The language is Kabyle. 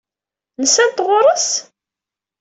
Nsant ɣur-s?